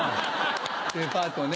デパートね。